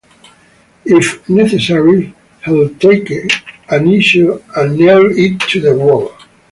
If necessary, he'll take an issue and nail it to the wall.